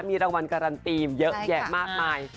มีรางวัลการันตีเยอะแยะมากมาย